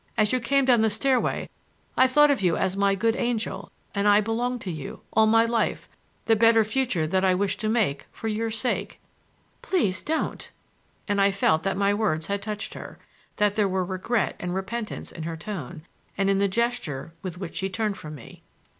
As you came down the stairway I thought of you as my good angel, and I belonged to you, —all my life, the better future that I wished to make for your sake." "Please don't!" And I felt that my words had touched her; that there were regret and repentance in her tone and in the gesture with which she turned from me.